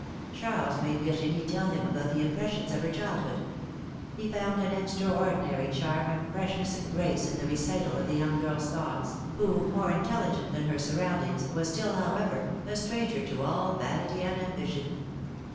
Charles made Virginie tell him about the impressions of her childhood; he found an extraordinary charm of freshness and grace in the recital of the young girl's thoughts, who, more intelligent than her surroundings, was still, however, a stranger to all vanity and ambition.